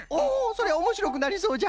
それおもしろくなりそうじゃ！